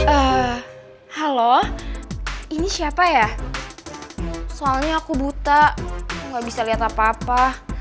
eh halo ini siapa ya soalnya aku buta nggak bisa lihat apa apa